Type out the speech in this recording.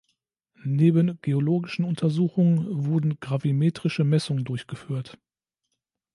Neben geologischen Untersuchungen wurden gravimetrische Messungen durchgeführt.